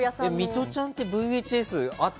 ミトちゃんってＶＨＳあった？